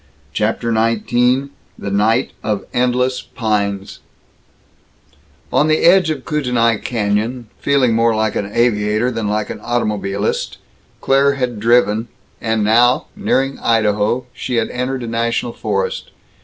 CHAPTER XIX THE NIGHT OF ENDLESS PINES On the edge of Kootenai Canyon, feeling more like an aviator than like an automobilist, Claire had driven, and now, nearing Idaho, she had entered a national forest.